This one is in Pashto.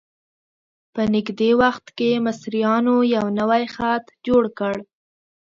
په نږدې وخت کې مصریانو یو نوی خط جوړ کړ.